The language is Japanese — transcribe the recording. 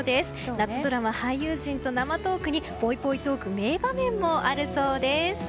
夏ドラマ俳優陣と生トークにぽいぽいトーク名場面もあるそうです。